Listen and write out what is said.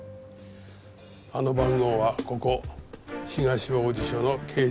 あの番号はここ東王子署の刑事課です。